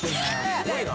すごいな。